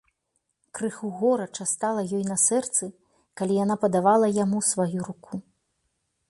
Крыху горача стала ёй на сэрцы, калі яна падавала яму сваю руку.